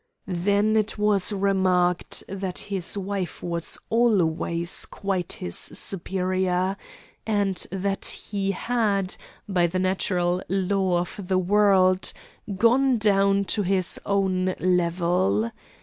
Then it was remarked that his wife was always quite his superior; and that he had, by the natural law of the world, gone down to his own level.